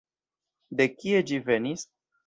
De kie ĝi venis?